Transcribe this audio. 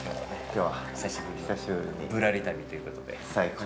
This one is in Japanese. ◆きょうは久しぶりにぶらり旅ということで、最高。